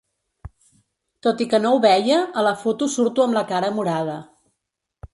Tot i que no ho veia, a la foto surto amb la cara morada.